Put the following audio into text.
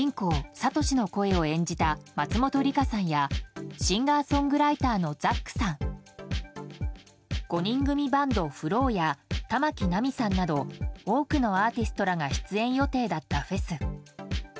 サトシの声を演じた松本梨香さんやシンガーソングライターのＺＡＱさん５人組バンドＦＬＯＷや玉置成実さんなど多くのアーティストらが出演予定だったフェス。